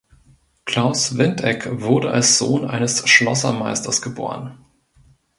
Klaus Windeck wurde als Sohn eines Schlossermeisters geboren.